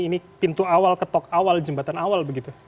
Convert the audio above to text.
ini pintu awal ketok awal jembatan awal begitu